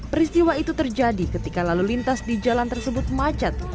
peristiwa itu terjadi ketika lalu lintas di jalan tersebut macet